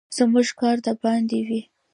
زموږ کار د باندې وي.